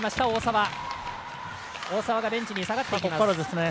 大澤がベンチに下がっています。